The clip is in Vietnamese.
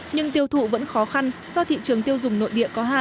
nhưng tiêu thụ vẫn khó khăn do thị trường tiêu dùng nội địa có hạn